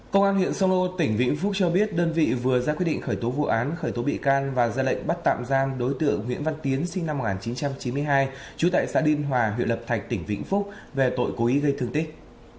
công an huyện sông lô tỉnh vĩnh phúc cho biết đơn vị vừa ra quyết định khởi tố vụ án khởi tố bị can và ra lệnh bắt tạm giam đối tượng nguyễn văn tiến sinh năm một nghìn chín trăm chín mươi hai trú tại xã điên hòa huyện lập thạch tỉnh vĩnh phúc về tội cố ý gây thương tích